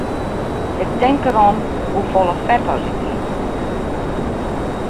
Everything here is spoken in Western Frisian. Ik tink derom hoefolle fet as ik yt.